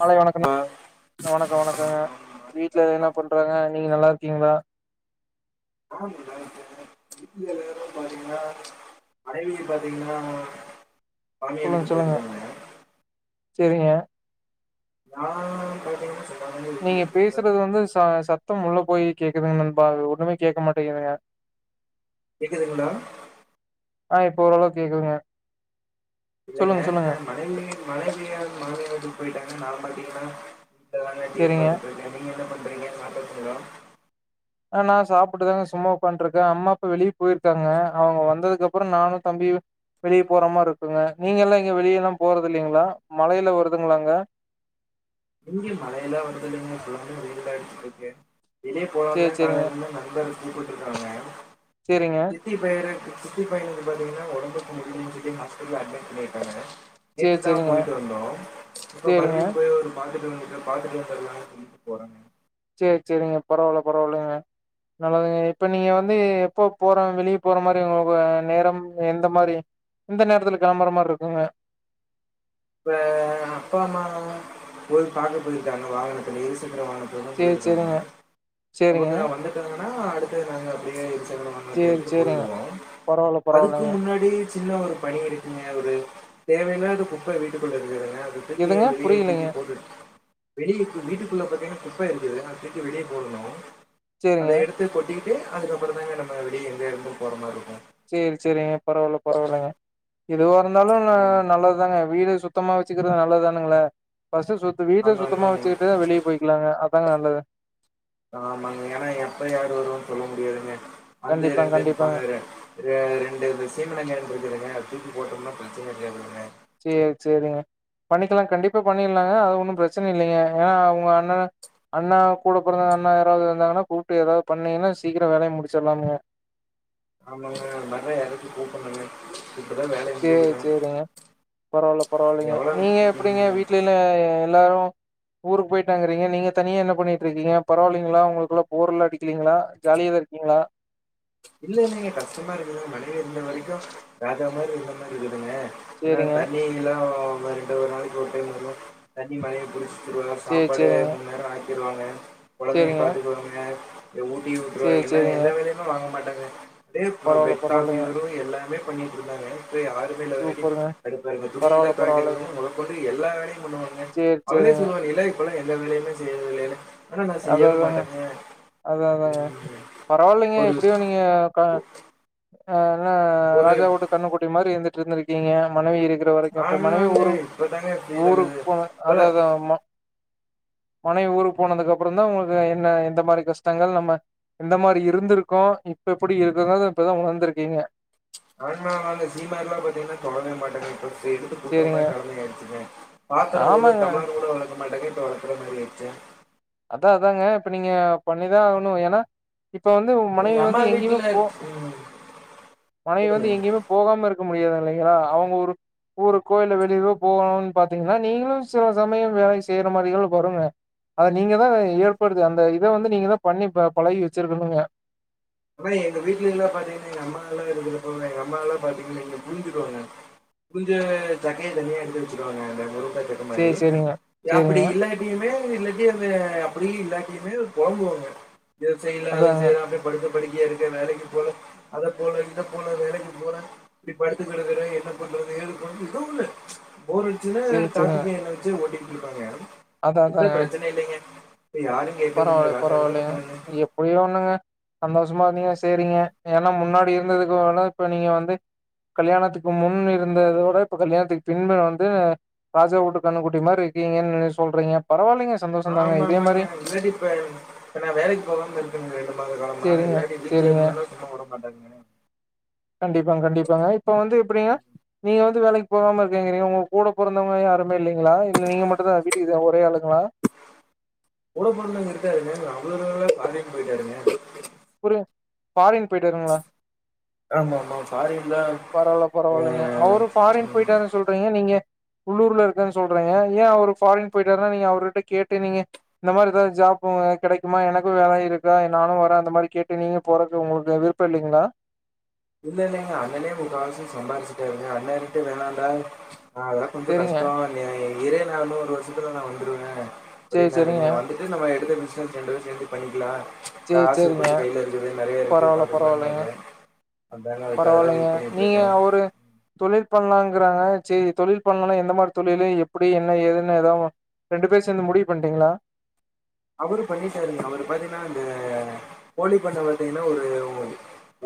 காலை வீட்ல வணக்க வணக்கோ வணக்கங்க வீட்ல என்ன பண்றாங்க நீங்க நல்லா இருக்கீங்ளா ஆமான்டா [unintelligible] பாத்தீங்ளா மனைவிக்கு பாத்தீங்னா சொல்லுங் சொல்லுங்க சேரிங்க நா பாத்தீங்னா நீங்க பேசுறது வந்து ச சத்தம் உள்ள போய் கேக்குதுங்க நண்பா அது ஒன்னுமே கேக்க மாட்டீங்குதுங்க கேக்குதுங்ளா ஆ இப்ப ஓரளவுக் கேக்குதுங்க இல்லைங்க சொல்லுங்க சொல்லுங்க மனைவி மனைவியெ மாமியார் வீட்டுக்கு போயிட்டாங்க நா பாத்தீங்ன்னா வீட்லதாங்க டீவி சேரிங்க பாத்துட்டு இருக்க நீங்க என்ன பண்றீங்க சாப்ட்டாச்சுங்ளா ஆ நா சாப்புட்டுதாங்க சும்மா உக்கான்ட்ருக்க அம்மாப்பா வெளிய போயிருக்காங்க அவுங்க வந்ததுக்கப்பறோ நானு தம்பியு வெளிய போற மாரி இருக்குங்க நீங்கெல்லா எங்கியு வெளியெல்லா போறது இல்லலைங்ளா மழையெல்லா வருதுங்ளாங்க இங்க மழையெல்லா வருதில்லைங்க ஃபுல்லாவே வெயில்தா அடுச்சுட்ருக்கு வெளில சேரி போலான்தா சேரிங்க காலேலந்து நண்பர் கூப்பிட்ருக்காங்க சேரிங்க சித்தி பயர சித்தி பையனுக்கு பாத்தீங்கன்னா ஒடம்புக்கு முடிலனு சொல்லி ஹாஸ்பிட்டல அட்மிட் பண்ணிருக்காங்க சேரி நேத்துதா சேரிங்க போயிட்டு வந்தோ இப்ப சேரிங்க மறுபிடியு போய் ஒரு பாத்துட்டு வந்துட்டு பாத்துட்டு வந்தர்லானு சொல்லீட்டு போறங்க சேரி சேரிங்க பரவால்ல பரவால்லைங்க நல்லதுங்க இப்ப நீங்க வந்து எப்போ போற வெளிய போற மாரி உங்களுக்கு நேரம் எந்த மாரி எந்த நேரத்துல கெளம்பற மாரி இருக்குங்க இப்ப அப்பா அம்மா போய் பாக்க போயிருக்காங்க வாகனத்துல இருசக்கர வாகனத் துலதா சேரி போயிருக்காங்க சேரிங்க சேரிங்க அவுங்க வந்துட்டாங்கன்னா அடுத்து நாங்க அப்பிடியே இருசக்கர வா கனத்த சேரி எடுத்துட்டு சேரிங்க போய்ருவோ பரவால்ல அதுக்கு பரவால்லங்க முன்னாடி சின்ன ஒரு பணி இருக்குங்க ஒரு தேவைல்லாத குப்ப வீட்டுக்குள்ள இருக்குதுங்க அது தூக்கி எதுங்க வெளிய புரியலங்க தூக்கி போட்டுட் வெளிய தூ வீட்டுக்குள்ள பாத்தீங்கன்னா குப்ப இருக்குது அத தூக்கி வெளிய போடணு அத சேரிங்க எடுத் து கொட்டிக்கிட்டு அதுக்கப்பறந்தாங்க நம்ம வெளிய இங்க இருந்து போற மாரி இருக்கும் சேரி சேரிங்க பரவால்ல பரவால்லங்க எதுவா இருந்தாலு அ இருக்கும் நல்லதுதாங்க வீடு சுத் த்தமா வச்சுக்கிறது நல்லதானுங்ளே ஃபர்ஸ்டு சுத் வீட்ட ஆமா சுத்தமா ஆமாங்க வச்சுக்கிட்டு வெளிய போய்க்கிலாங்க அதுதாங்க நல்லது ஆமாங்க ஏன்னா எப்ப யாரு வருவன்னு சொல்ல முடியாதுங்க வந்து கண்டிப்பா ரெண்டுன் கண்டிப்பாங்க நிப்பாங்க வேறே ரெண்டு மெஷின் கொஞ்சோ வந்துருக்குங்க தூக்கி போட்டோம்னா பிரச்சன இருக்கதுங்க சேரி சேரிங்க பண்ணிக்கலா கண்டிப்பா பண்ணிக்லாங்க அது ஒன்னு பிரச்சனை இல்லைங்க ஏன்னா அவங்க அண்ணன அண்ணா கூட பிறந்தாங்க அண்ணா யாரது இருந்தாங்கன்ன கூப்புட்டு எதாது பண்ணீங்கன்னா சீக்கிர வேலைய முடிச்சிடலாங்க ஆமாங்க மர எறக்க கூப்புண்ணுங்க இப்பதா வேல சேரி சேரிங்க பரவாயில்ல பரவாயில்லைங்க எவ்வளோ நீங்க எப்புடிங்க ம், வீட்ல எல்லாரு ஊருக்கு போயிட்டாங்குறீங்க நீங்க தனியா என்ன பண்ணிட்டு இருக்கீங்க பரவ இல்லைங்களா உங்களுக்குள்ள போருலா அடிக்கலீங்களா ஜாலிய தா இருக்கீங்ளா இல்லங்க கஷ்டமா இருக்குதுங்க மனைவி இருந்த வரைக்கு ராஜா மாரி இருந்த மாரி இருக்குதுங்க ஏனா சேரிங்க தண்ணில்லா ரெண்டு ஒரு நாளைக்கு ஒரு டைம் வரு தண்ணி மனைவி புடிச் சுருவாங்க சேரி சாப்பாடு சேரிங்க முணு நேர ஆக்கிடுவாங்க கொழந்தையை சேரிங்க பாத்துக்குவாங்க ஊட்டி சேரி ஊற்றுருவாக என்ன சேரிங்க எந்த வேலயுமே வாங்க மாட்டாங்க பரவால்ல பெட் காபி பரவால்லைங்க வரு எல்லாமே பண்ணிட்டு இருந்தாங்க இப்ப யாருமே இல்லாத வரைக்கு சூப்பருங்க கடுப்பாருங்குக துணி யில்லா பரவால்ல பரவால்லைங்க தொவைகிறதுனா கொண்டு எல்லா வேலையு பண்ணுவாங்க சேரி அவளே சேரிங்க சொல்லுவாங்க என்ன இப்பெல்லா எந்த வேலையுமே செய்யுறது இல்லைனு ஆனா நா அதா செய்யவே அதாங்க மாட்டேங்க அதா ம் ஒரு ய கா ஆ என்ன ஒரு ராஜா உட்டு கன்னுக்குட்டி மாரி இருந்துட்டு இருந்திருக்கீங்க மனைவி இருக்கற வரைக்கு இப்ப மனைவி ஆமாங்க ஊருக்கு இப்பதாங்க ஃபீல் ஊரு ஆகுது போனது இப்பல அத அத மனைவி ஊரு போனதுக்கு அப்றந்தா உங்களுக்கு என்ன எந்த மாரி கஷ்டங்கள் நம்ம எந்த மாரி இருந்துருக்கோ இப்ப எப்டி இருக்கோ இப்பதா உணந்துருக்கீங்க ஆனா ஆளு சீம எல்லா பாத்தீங்கன்னா தொடவே மாட்டேங்க இப்ப எடுத்து கூட்டுற சேரிங்க மாரி நெலம ஆயிடுச்சுங்க பாத்திர ஒரு ஆமாங்க டம்ளர் கூட வெளக்க மாட்டேங்க இப்ப வெளக்கற மாரி ஆகிடுச்சே அதா அதாங்க இப்ப நீங்க பண்ணிதா ஆகணு ஏன்னா இப்போ வந்து உங்க எங்க மனைவி அம்மா வந்து எங்கேயுமே வீட்டுல போ ம், மனைவி சொல்லுங்க வந்து எங்கேயுமே போகாம இருக்க முடியாது இல்லங்களா அவங்க ஊரு ஊருக்கோ இல்லே வெளியவோ போகணும்னு பாத்தீங்கன்னா நீங்களு சில சமயம் வேலய செய்யுற மாரி எல்லா வரும்லே அத நீங்க தா ஏற்படுத்தி அந்த இத வந்து நீங்கதா பண்ணி பழகி வச்சிருக்கணுங்க ஆனா எங்க வீட்ல எல்லா பாத்தீங்கன்னா எங்க அம்மா எல்லா இருக்கறப்ப எங்க அம்மா எல்லா பாத்தீங்கன்னா புரிஞ்சுக்குவாங்க கொஞ்ச சக்கைய தனியா எடுத்து வச்சிக்குவாங்க அந்த முருங்கக்காய் சக்க சரி, மாரி சரிங்க. அப்டி சரிங்க. இல்லா எப்பயுமே இல்லாட்டி அந்த அப்டியு இல்லாட்டிமே பொலம்புவாங்க இது செய்ல அது அதாங்க. செய்ல அப்டி படத்த படிக்கையா இருக்க வேலைக்கு போல அத போல இத போல வேலைக்கு போல இப்ப படுத்துக்கடக்குறே என்ன பண்றது ஏது பண்றது ஏதோ ஒண்ணு போரடி சரி, சின்ன சரிங்க. டார்கெட் லைன்னே வச்சு ஓட்டிட்டு அதான், இருப்பாங்க பிரச்சன இல்லைங்க யாருமே பரவாயில்லே பரவாயில்லயே எப்படியோ ஒண்ணுங்க சந்தோஷமா இருந்தீங்கன்னா சேரிங்க ஏன்னா முன்னாடி இருந்ததுக்கு வேனா இப்ப நீங்க வந்து கல்யாணத்துக்கு முன் இருந்ததோட இப்ப கல்யாணத்துக்கு பின் வந்து ராஜா உட்டு கண்ணுகுட்டி மாரி இருக்கீங்கன்னு சொல்றீங்க பரவால்லே ஆமாமாங்க நீங்க இல்லாட்டி இப்ப இப்ப நா வேலைக்கு போகாம இருக்கே ரெண்டு மாத காலாமா சரிங்க, எல்லா வீட்ல சரிங்க. இருந்த சும்மா உட மாட்டாங்க கண்டிப்பாங்க கண்டிப்பாங்க இப்ப வந்து எப்டின்னா நீங்க வந்து வேலைக்கு போகாம இருக்கேங்கறீங்க உங்க கூட பெறந்தவங்க யாருமே இல்லிங்களா இல்ல நீ மட்டுதா வீட்டுக்கு ஒரே ஆளுங்களா கூட பொறந்தவரு இருக்காருங்க அவ்ள தூரல ஃபாரின் போயிட்டாருங்க புரில ஃபாரின் போயிட்டாருங்களா ஆமா ஆமா ஃபாரின்தா பரவால்ல பரவால்லைங்க ஆ அவரு ஃபாரின் போயிட்டாருன் சொல்றீங்க நீங்க உள்ளூர்ல இருக்காருன்னு சொல்றிங்க ஏன் அவர் ஃபாரின் போயிட்டாருனா நீங்க அவர்கிட்ட கேட்டு நீங்க இந்த மாரி எதாவது ஜாப்பு கடைக்குமா எனக்கு வேல இருக்கா நானு வரே அந்த மாரி கேட்டு நீங்க போறது உங்களுக்கு விருப்பம் இல்லிங்களா இல்ல இல்லங்க அண்ணனே முக்காவாசி சம்பாதிச்சிடாருங்க அண்ண [unintelligible] [unintelligible] அ அதல்லாம் கொஞ்ச சரிங்க கஷ்டோ நீ இரு நா ஒரு வருஷத்துல நா வந்துருவே சரி அப்டின்னாருங்க சரிங்க வந்து [inaudible] ரெண்டு பேரும் சேந்து பண்ணிக்கலா சரி காசு சரிங்க கொஞ்ச கைல இருக்குது நறைய இருக்கு பாத்துக்கலாம்னாரு பரவாயில்லங்க நீங்க இருக்கே அவரு தொழில் பண்ணலாங்கறாங்க சரி தொழில் பண்லாமன என்ன மாரி தொழிலு எப்புடி என்ன ஏதுன்னு ஏதா ஒன் ரெண்டு பேர் சேந்து முடிவு பண்ணிட்டீங்களா அவரு பண்ணிடாருங்க அவரு பாத்தீங்கன்னா அந்த கோழி பண்ண பாத்தீங்கன்னா ஒரு ஓ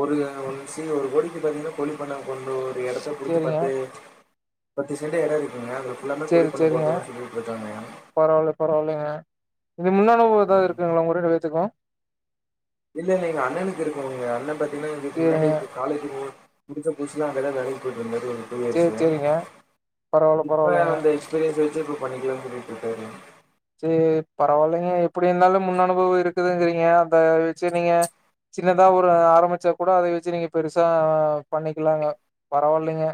ஒரு ஒன் சி ஒரு கோடிக்கு பாத்தீங்கன்னா கோழி பண்ண போடனு எடத்த குடுத்து சேரிங்க பத்து பத்து சென்ட் எடம் இருக்குங்க எல்லாமே கோழிப் பண்ண போட்ரதா சொல்லிட்டு இருக்காங்க பரவால பரவாலங்க இதுக்கு முன்னனுபவம் இருக்குங்களா உங்க ரெண்டு பேத்துக்கூ இல்ல இல்லை எங்க அண்ணனுக்கு இருக்குங்க அண்ண பாத்தீங்கனா இதுக்கு சேரிங்க முன்னாடியே தெ காலேஜ் முடிச் முடிச்ச புதுசுலா அங்கதா வேலைக்கி போயிட்டுந்தாரு ஓகே சேரி சார் சேரிங்க பரவால்ல இப்ப பரவால்லைங்க அந்த எக்ஸ்பீரியன்ஸ் வச்சுப் இப்ப பண்ணிக்கலானு சொல்லிட்ருக்காரு சேரி பரவாலிங்க எப்புடி இருந்தாலும் முன் அனுபவம் இருக்குதுங்கிறீங்க அத வெச்சு நீங்க சின்னதா ஒரு ஆரம்பிச்சா கூட அதை வச்சு நீங்க பெருசா பண்ணிக்கிலாங்க பரவால்லிங்க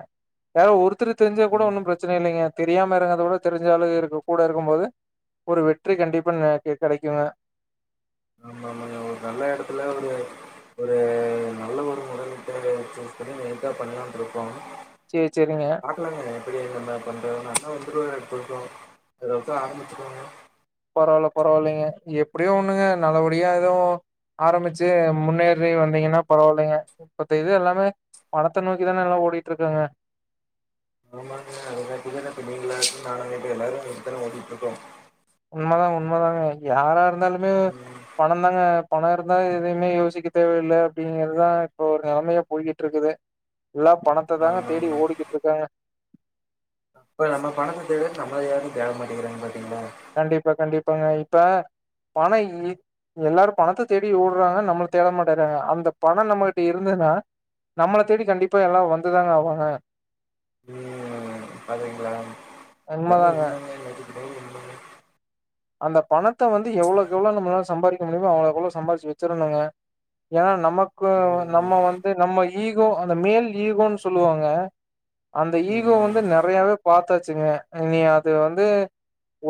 யார் ஒருத்திரு தெரிஞ்சா கூட ஒன்னும் பிரச்சனை இல்லைங்க தெரியாம எறங்கதவிட தெரிஞ்சாலுங்க இரு கூட இருக்கும் போது ஒரு வெற்றி கண்டிப்பா [unintelligible] கெடைக்குங்க ஆமா ஆமாங்க ஒரு நல்ல எடத்துல ஒரு [unintelligible] சேரி சேரிங்க பாக்கலாங்க எப்படி எங்க பண்றனதுனு அண்ணா வந்துருவாரு [unintelligible] ஆரம்பிச்சுக்கோங்க பரவால்ல பரவாலிங்க எப்படியோ ஒண்ணுங்க நல்லபடியா எதுவு ஆரம்பிச்சி முன்னேறி வந்தீங்கன்னா பரவால்லைங்க மத்த இது எல்லாமே பணத்த நோக்கிதான எல்லா ஓடிக்கிட்ருக்காங்க [unintelligible] உண்மதாங் உண்ம தாங்க யாரா இருந்தாலுமே பணந்தாங்க பண இருந்தா எதையுமே யோசிக்க தேவையில்ல அப்டிங்கறதுதா இப்போ ஒரு நெலமையா போய்கிட்டு இருக்குது எல்லா பணத்ததாங்க தேடி ஆமாங்க ஓடிக்கிட்ருக்காங்க அப்ப நம்ம பணத்த [unintelligible] நம்மள யாரு தேடமாட்டிகிறாங்க பாத்தீங்ளா கண்டிப்பா கண்டிப்பாங்க இப்ப பண இ எல்லாரு பணத்த தேடி ஓட்றாங்க நம்மள தேட மாட்டங்கறாங்க அந்த பணம் நம்மகிட்ட இருந்துதுன்னா நம்மள தேடி கண்டிப்பா எல்லா வந்துதாங்க ஆவாங்க உண்மதாங்க [unintelligible] அந்த பணத்த வந்து எவ்வளோக்கு எவ்ளோ நம்மலால சம்பாரிக் க முடியுமோ அவ்ளோக்கவ்ளோ சம்பாதிச்சு வெச்சிருனுங்க ஏன்னா நமக்கு ம் நம்ம வந் து நம்ம ஈகோ அந்த மேல் ஈகோனு சொல்லுவாங்க அந்த ஈகோ ம் வந்து நறை குறையாவே பாத்தாச்சுங்க இனி அது வந்து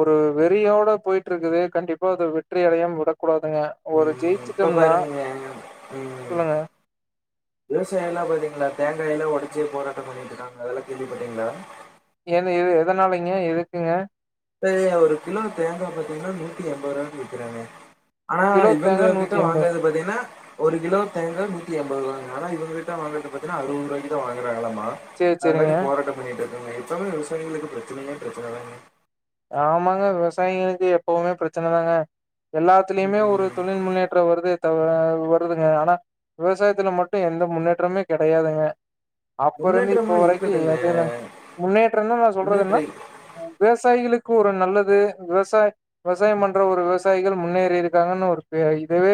ஒரு வெறியோடப் போயிட்ருக்குது கண்டிப்பா அத வெற்றி அடையாம விடக்கூடாதுங்க ஒரு ம் இப்ப ஜெயிச்சுட்டோம்னா பாருங்க ம் சொல்லுங்க. விவசாயில்லா பாத்தீங்களா தேங்காயிலா ஒடச்சி போராட்டம் பண்ணிட்ருக்காங்க அதெல்லா கேள்விப்பட்டீங்ளா ஏந்த எது எதனாலைங்க எதுக்குங்க ப்பயே ஒரு கிலோ தேங்கா பாத்தீங்கன்னா நூத்தி எண்பது ருவான்னு விக்கிறாங்க ஆனா கிலோ தேங்கா இவங்க கிட்ட வாங்கறது பாத்தீங்ன்னா ஒருகிலோ தேங்கா நூத்தி என்பது ரூவாங்களா ஆனா இவங்ககிட்ட வாங்குறது பாத்தீங்கனா அறுபது ரூவாய்கி தா வாங்குறாங்களாமா சேரி, அது போய்டு சேரிங்க. போராட்டம் பண்ணிட்ருக்காங்க எப்பவுமே விவசாயிகளுக்கு பிரச்சனயே பிரச்சனதாங்க ஆமாங்க விவசாயிங்களுக்கு எப்பவுமே பிரச்சனதாங்க எல்லாத்துலேயுமே ஒரு ம், தொழில் முன்னேற்றம் வருது வருதுங்க ஆனா விவசாயத்துல மட்டு எந்த முன்னேற்றமுமே கெடையாதுங்க அப்ப இருந்து இப்ப முன்னேற்றம்லாம் வரைக்கு அ இருக்குதுங்க முன்னேற்றம்ன நா சொல்றது ஒன்றும் என்னனா ட்ரை விவசாயிகளுக்கு ஒரு நல்லது விவசாய விவசாயம் பண்ற ஒரு விவசாயிகள் முன்னேறி இருக்காங்கன்னு ஒரு இதவே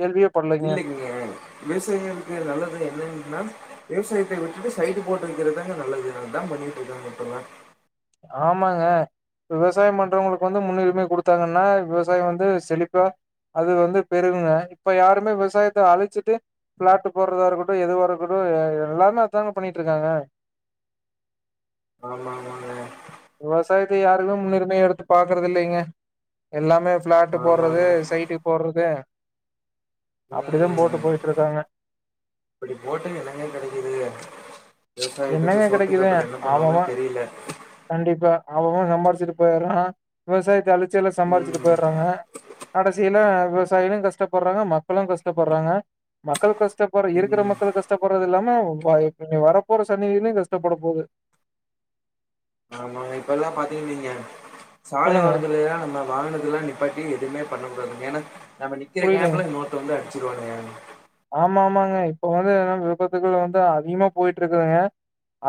கேள்வியே படலைங்க இல்லைங்க விவசாயம்க்கு நல்லது என்னன்னா விவசாயத்த விட்டுட்டு சைடு போட்டு விக்கிறதுதாங்க நல்லது அதா பண்ணிட்ருக்காங்க இப்பல்லா ஆமாங்க விவசாய பண்றவங்களுக்கு வந்து முன்னுரிமை கொடுத்தா தான விவசாயொ வந்து செழிக்கு அது வந்து பெருகுங்க இப்ப யாருமே விவசாயத்த அழிச்சிட்டு பிளாட்டு போடுறதா இருக்கட்டு எதுவா இருக்கட்டு எல்லாமே அத தாங்க பண்ணிட் இருக்காங்க ஆமா ஆமா ஆமா விவசாயத்த யாருமே முன்னுரிமைய எடுத்து பாக்குறது இல்லைங்க எல்லாமே பிளாட்டு் போடுறது ஆமாங்க சைட்டு போடுறது அப்டிதா போட்டு ம் போயிட்டு இருக்காங்க இப்படி போட்டு என்னங்க கெடைக்கிது விவசாயத்துக்கு என்னங்க சோத்துக்கு கெடைக்குது அப்படிஎன்ன அவவ பண்ணுவாங்கன் தெரியல கண்டிப்பா அவங்களு சம்பாரிச்சுட்டு போயர்ரா விவசாயத்த அழிச் சம்பாரிச்சுட்டு ம் போயற்ராங்க கடைசில விவசா தய்விம் கஷ்டப்பர்றாங்க மக்களு கஷ்டப்பர்றாங்க மக்கள் கஷ்டப்பர் இருக்கிற ம் மக்கள் கஷ்ட கஷ்டப்பட்றது இல்லாம வ வரப்போற சன்னதியுமே கஷ்டப்பட போது ஆமாங்க இப்பல்லா பாத்தீங்கன் வைங்க சொல்லுங்க சாலைஓரத்தில எல்லாம் நம்ம வாகனத்தெல்லா நிப்பாட்டி எதுவுமே பண்ணக்க கூடாதுங்க ஏனா நம்ம நிக்கிற புரியலங்க கேப்ல இன்னொருத்த வந்து அடிச்சுருவானுங்க ஆமா ஆமாங்க இப்ப வந்து எதனால விபத்துகள் வந்து அதிகமா போயிட்டு இருக்குதுங்க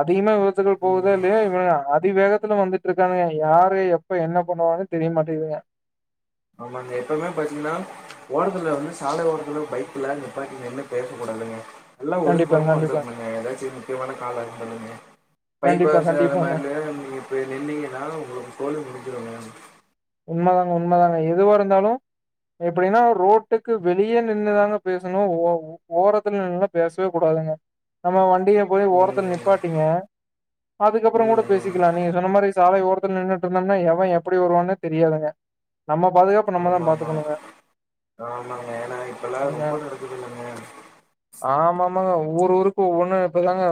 அதிகமா விபத்து போகுதோ இல்லியோ இவ அத் அதி வேகத்துல வந்துட்டு இருக்காங்க யாரு எப்ப என்ன பண்ணுவாங்கன்னு தெரியமாட்டேங்குதுங்க ஆமாங்க எப்பவுமே பாத்தீங்கனா ஓரத்துல வந்து சாலை ஓரத்துல பைக்ல நிப்பாட்டி நின்னு பேசக்கூடாதுங்க எல்லா கண்டிப்பாங்க ஒதுக்குப்புறமா கண்டிப்பா வந்திரனுங்க ஏதாச்சு முக்கியமான காலா இருந்ததுங்க கண்டிப்பா பைபாஸ் அந்த கண்டிப்பாங்க மாதிரிலா நமக்கு போய் நின்னீங்கனா உங்களுக்கு சோலி முடிஞ்சிருங்க உண்மதாங்க உண்மதாங்க எதுவா இருந்தாலு எப்டினா ரோட்டுக்கு வெளிய நின்ன்தாங்க பேசணு ஒ ஒ ஓரத்துலநின்னுலா பேசவே கூடாதுங்க நம்ம வண்டியு போய் ஓரத்தில ம் நிப்பாட்டிங்க அதுக்கப்றொ கூட ம் பேசி லாம் நீங்க சொன்ன மாதிரி சாலை ஓரத்தில நின்னுட்ருந்தனா எவ எப்டி வருவான்னே தெரியாதுங்க நம்ம பாதுகாப்பு நம்ம ஆமா தான் ஆமா பாத்துக்கணுங்க ஆமாங்க ஏனா இப்பல்லா ரொம்ப நடக்குது இல்லங்க ஆமா ஆமாங்க ஊர் ஊருக்கு ஒவ்வொண்ணு இப்பதாங்க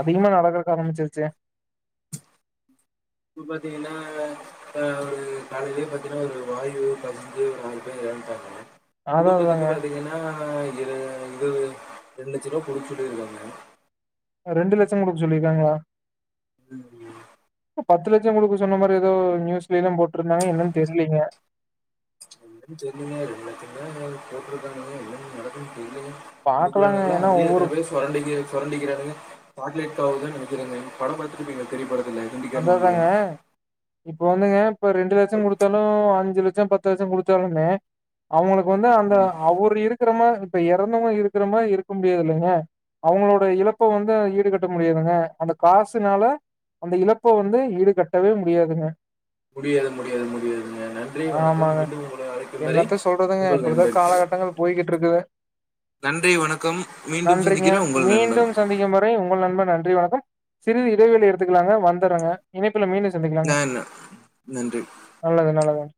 அதிகமா நடக்கறக்கு ஆரம்பிச்சிருச்சு பாத்திங்கனா அ ஒரு காலையிலயே பாத்தீங்கனா ஒரு வாயு கசிஞ்சு ஒரு ஆறு பேர் எறந்துட்டாங்கலா அதான் அதாங்க குடும்பத்துக்கு பாத்தீங்கனா இரு இது ரெண்டு லட்ச ரூபா கொடுக்க சொல்லிருக்காங்க ரெண்டு லட்சொ குடுக்க சொல்லிருக்காங்களா [unintelligible] பத்து லட்சொ குடுக்க சொன்ன மாரி ஏதோ நியூஸ்லயிலா போட்டிருந்தாங்க என்னன் தெர்லீங்க என்னன் தெர்லீங்க ரெண்டு லட்சந்தா போட்ருந்தாங்க என்னன்ன நடக்கும் தெர்ல அதுக்குல்ல பாக்கலாங்க என்னடான்னா ஏன்னா அதுலயே ஒவ்வொரு எத்தன பேர்ஸ் சொரண்டிக்கிறது சொரண்டிகிறான்ங்க பாட்லைட்க்கு ஆவுதுன் நினைக்கிற மே பிங்க படம் பார்த்த [inaudible] பெரிய படத்துல அத ஹிந்திகாரனு இல்ல தாங்க இப்ப வந்துங்க இப்ப ரெண்டு லட்சொ குடுத்தாலு அஞ்சு லட்சொ பத்து லட்சொ குடுத்தாலுமே அவங்களுக்கு வந்து அந்த ம், அவரு இருக்கிறமா இப்ப எறந்தவங்க இருக்கிறமாரி இருக்க முடியாது இல்லங்க அவங்களோட இழப்ப வந்து ஈடுகட்ட முடியாதுங்க அந்த காசுனால அந்த இழப் ப்ப வந்து ஈடு கட்டவே முடியாதுங்க முடியாது முடியாது முடியாதுங்க நன்றி வணக்கம் ஆமாங்க. மீண்டும் உங்களை அழைக்கும் வரை உங்கள் நண்பன் போய்கிட் இருக்குது நன்றி வணக்கம் மீண்டும் நன்றிங்க சந்திக்கிறேன் உங்கள் நண்பன் மீண்டும் சந்திக்கும் வரை வரை உங்கள் நண்பன் நன்றி வணக்கம் சிறிது இடைவெளி எடுத்துக்கலாங்க வந்தர்றங்க இணைப்புல மீண்டு சந்திக்கலாங்க நான் நன்றி நல்லது நல்லதுங்க